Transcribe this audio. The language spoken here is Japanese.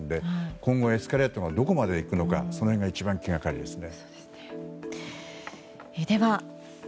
今後エスカレートがどこまでいくのかその辺が一番気がかりですね。